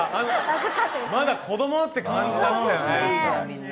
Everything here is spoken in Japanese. まだ子供って感じだったよね。